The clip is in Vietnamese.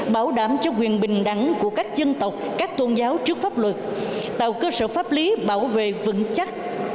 bảo đảm cho quyền bình đẳng của các dân tộc các tôn giáo trước pháp luật tạo cơ sở pháp lý bảo vệ vững chắc